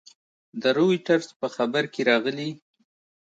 د رویټرز په خبر کې راغلي